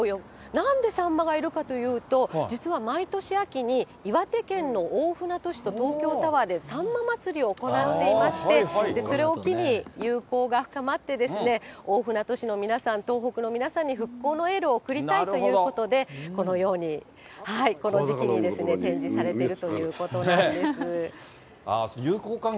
なんでサンマがいるかというと、実は毎年秋に、岩手県の大船渡市と東京タワーでさんままつりを行っていまして、それを機に、友好が深まってですね、大船渡市の皆さん、東北の皆さんに復興のエールを送りたいということで、このように、この時期に展示されているということなんです。